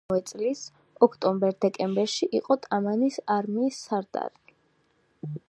იმავე წლის ოქტომბერ-დეკემბერში იყო ტამანის არმიის სარდალი.